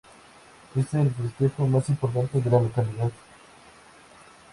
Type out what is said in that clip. Es el festejo más importante de la localidad.